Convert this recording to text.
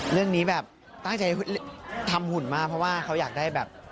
เรื่องนี้แบบตั้งใจทำหุ่นมากเพราะว่าเขาอยากได้แบบ